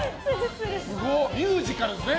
ミュージカルですね。